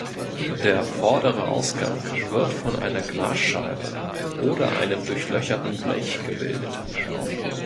Der vordere Ausgang wird von einer Glasscheibe oder einem durchlöcherten Blech gebildet.